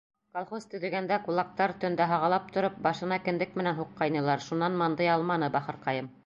Колхоз төҙөгәндә, кулактар, төндә һағалап тороп, башына кендек менән һуҡҡайнылар, шунан мандый алманы, бахырҡайым.